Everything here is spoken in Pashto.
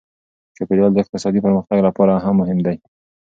چاپیریال د اقتصادي پرمختګ لپاره هم مهم دی.